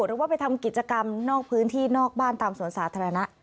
หรือว่าไปทำกิจกรรมนอกพื้นที่นอกบ้านตามสวนสาธารณะ